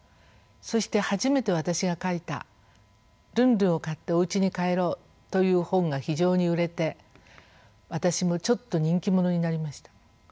そして初めて私が書いた「ルンルンを買っておうちに帰ろう」という本が非常に売れて私もちょっと人気者になりました。